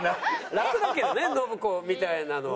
楽だけどね信子みたいなのは。